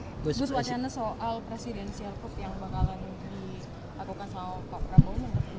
bagaimana soal presidensial yang bakalan dilakukan soal pak prabowo